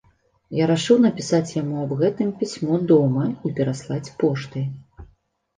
Я рашыў напісаць яму аб гэтым пісьмо дома і пераслаць поштай.